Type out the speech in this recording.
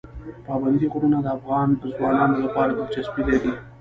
پابندی غرونه د افغان ځوانانو لپاره دلچسپي لري.